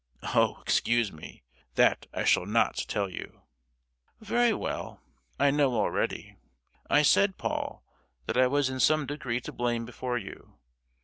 "Oh, excuse me; that I shall not tell you!" "Very well; I know already. I said, Paul, that I was in some degree to blame before you.